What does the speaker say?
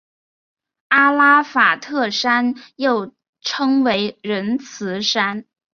阿拉法特山又称为仁慈山。